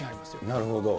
なるほど。